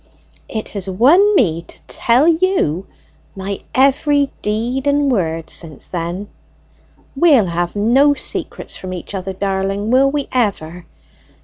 It has won me to tell you my every deed and word since then. We'll have no secrets from each other, darling, will we ever?